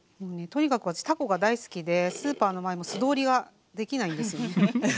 とにかく私たこが大好きでスーパーの前も素通りができないんですよね。